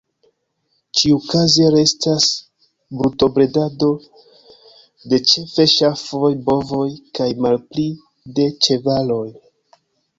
Ĉiukaze restas brutobredado de ĉefe ŝafoj, bovoj, kaj malpli de ĉevaloj.